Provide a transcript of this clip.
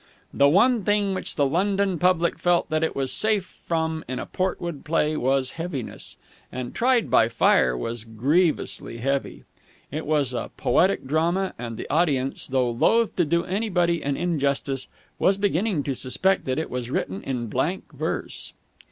The one thing which the London public felt that it was safe from in a Portwood play was heaviness, and "Tried by Fire" was grievously heavy. It was a poetic drama, and the audience, though loath to do anybody an injustice, was beginning to suspect that it was written in blank verse.